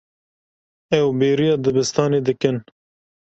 Ew bêriya dibistanê dikin.